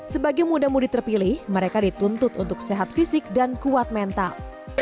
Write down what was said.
sebagai muda mudi terpilih mereka dituntut untuk sehat fisik dan kuat mental